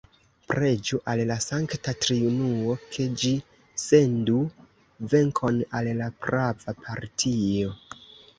Preĝu al la Sankta Triunuo, ke Ĝi sendu venkon al la prava partio!